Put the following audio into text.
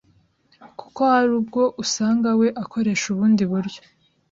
kuko hari ubwo usanga we akoresha ubundi buryo